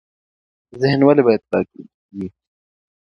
ذهن ولې باید پاک وي؟